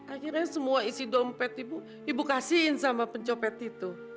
akhirnya semua isi dompet ibu ibu kasihin sama pencopet itu